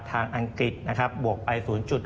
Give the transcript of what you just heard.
อังกฤษนะครับบวกไป๐๘